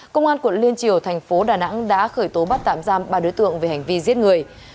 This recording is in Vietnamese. công an quận liên triều thành phố đà nẵng đã khởi tố bắt tạm giam ba đối tượng về hành vi giết người